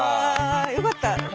よかった。